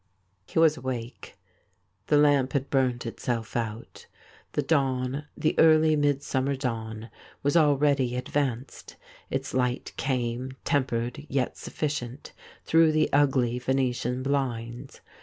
K He was awake. The lamp had burned itself out ; the dawn, the early midsummer daAvn, was already 42 THIS IS ALL advanced ; its light came, tempered yet sufficient, through the ugly Venetian blinds.